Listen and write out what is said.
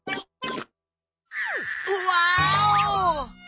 ワーオ！